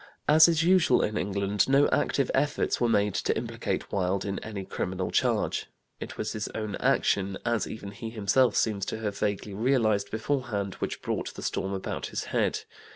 As is usual in England, no active efforts were made to implicate Wilde in any criminal charge. It was his own action, as even he himself seems to have vaguely realized beforehand, which brought the storm about his head.